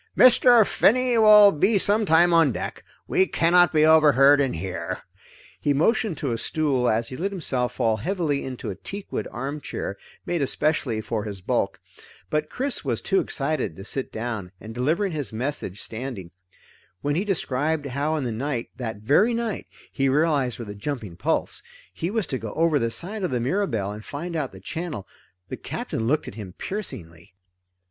"Mr. Finney will be some time on deck. We cannot be overheard in here." He motioned to a stool as he let himself fall heavily into a teakwood armchair made especially for his bulk. But Chris was too excited to sit down, and delivered his message standing. When he described how in the night that very night, he realized with a jumping pulse he was to go over the side of the Mirabelle and find out the channel, the Captain looked at him piercingly.